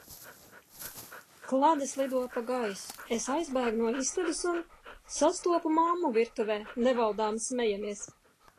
Klades lido pa gaisu, es aizbēgu no istabas un... sastopu mammu virtuvē nevaldāmi smejamies.